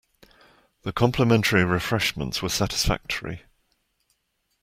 The complimentary refreshments were satisfactory.